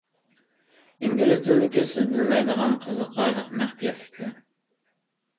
ئىنگلىز تىلىدىكى سىز بىلمەيدىغان قىزىقارلىق مەخپىيەتلىكلەر.